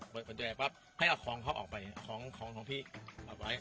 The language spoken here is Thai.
เปิดปัญญาแบบปั๊บให้เอาของเขาออกไปเอาของของพี่ออกไป